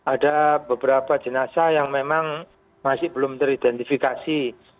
ada beberapa jenazah yang memang masih belum teridentifikasi